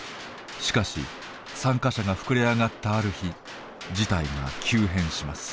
しかし参加者が膨れあがったある日事態が急変します。